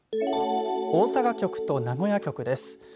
大阪局と名古屋局です。